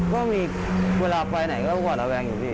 ตอนนี้เรายังหวานระแวงหรือเปล่า